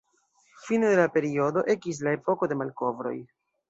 Fine de la periodo, ekis la Epoko de Malkovroj.